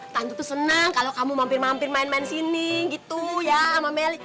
tante tuh senang kalau kamu mampir mampir main main sini gitu ya sama melly